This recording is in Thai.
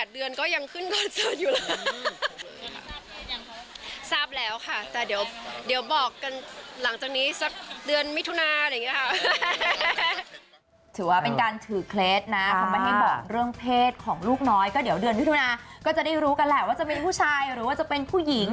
เดี๋ยวเดือนพี่ทุนาก็จะได้รู้กันแหละว่าจะเป็นผู้ชายหรือว่าจะเป็นผู้หญิง